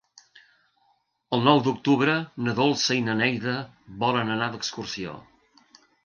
El nou d'octubre na Dolça i na Neida volen anar d'excursió.